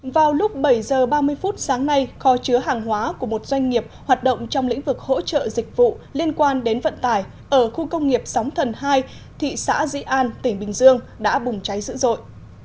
vào lúc bảy h ba mươi phút sáng nay kho chứa hàng hóa của một doanh nghiệp hoạt động trong lĩnh vực hỗ trợ dịch vụ liên quan đến vận tải ở khu công nghiệp sóng thần hai thị xã di an tỉnh bình dương đã bùng cháy dữ dội